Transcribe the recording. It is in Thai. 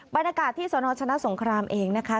บรรยากาศที่สนชนะสงครามเองนะคะ